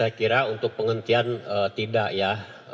saya kira untuk penghentian tidak ya